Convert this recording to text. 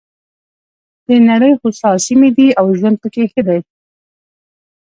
د نړۍ هوسا سیمې دي او ژوند پکې ښه دی.